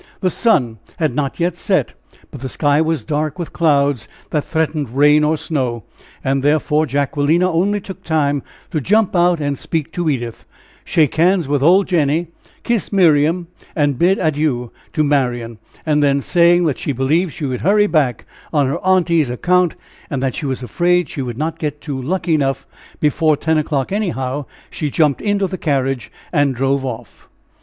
The sun had not yet set, but the sky was dark with clouds that threatened rain or snow; and therefore Jacquelina only took time to jump out and speak to Edith, shake hands with old Jenny, kiss Miriam, and bid adieu to Marian; and then, saying that she believed she would hurry back on her aunty's account, and that she was afraid she would not get to Luckenough before ten o'clock, anyhow, she jumped into the carriage and drove off.